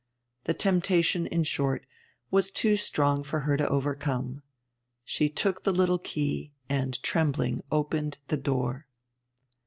The temptation, in short, was too strong for her to overcome. She took the little key and, trembling, opened the door.